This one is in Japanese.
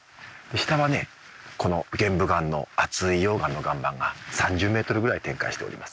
下はね玄武岩の厚い溶岩の岩盤が３０ｍぐらい展開しております。